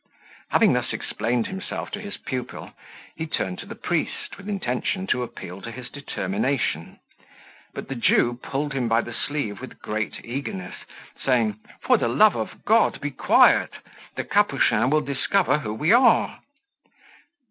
Having thus explained himself to his pupil, he turned to the priest, with intention to appeal to his determination; but the Jew pulled him by the sleeve with great eagerness, saying, "For the love of God, be quiet: the Capuchin will discover who we are."